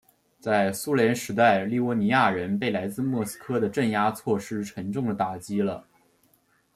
在苏联时代立窝尼亚人被来自莫斯科的镇压措施沉重地打击了。